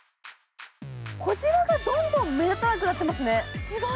こじわがどんどん目立たなくなっていますね。